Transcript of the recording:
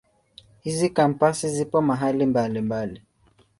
Hizi Kampasi zipo mahali mbalimbali.